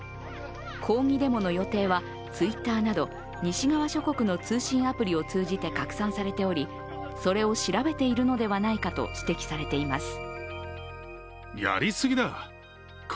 抗議デモの予定は、Ｔｗｉｔｔｅｒなど西側諸国の通信アプリを通じて拡散されておりそれを調べているのではないかと指摘されています。